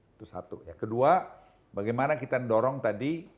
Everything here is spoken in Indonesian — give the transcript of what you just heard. itu satu yang kedua bagaimana kita mendorong tadi